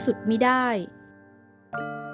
ออกรางวัลที่๖